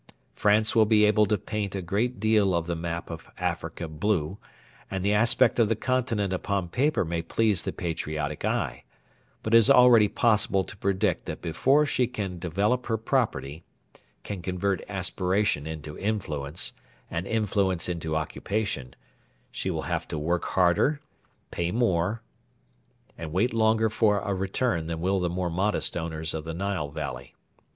France will be able to paint a great deal of the map of Africa blue, and the aspect of the continent upon paper may please the patriotic eye; but it is already possible to predict that before she can develop her property can convert aspiration into influence, and influence into occupation she will have to work harder, pay more, and wait longer for a return than will the more modest owners of the Nile Valley.